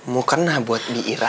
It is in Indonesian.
mukanah buat bira